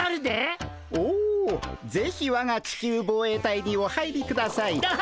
おぜひわが地球防衛隊にお入りください。